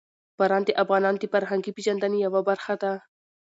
باران د افغانانو د فرهنګي پیژندنې یوه برخه ده.